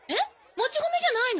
もち米じゃないの？